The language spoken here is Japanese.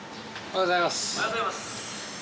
おはようございます。